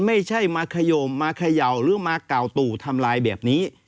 ไม่ใช่มาขยมมาเขย่าหรือมาก่าวตู่ทำลายแบบนี้